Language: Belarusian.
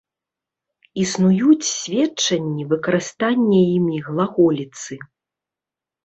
Існуюць сведчанні выкарыстання імі глаголіцы.